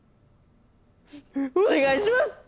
お願いします！